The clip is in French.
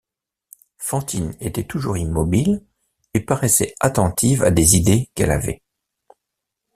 Fantine était toujours immobile et paraissait attentive à des idées qu’elle avait.